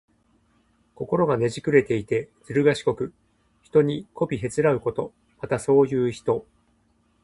心がねじくれていて、ずるがしこく、人にこびへつらうこと。また、そういう人。